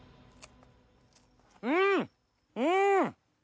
うんうん！